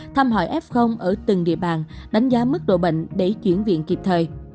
thăm hỏi f ở từng địa bàn đánh giá mức độ bệnh để chuyển viện kịp thời